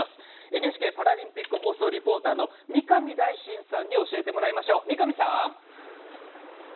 ＮＨＫパラリンピック放送リポーターの三上大進さんに教えてもらいましょう、三上さん。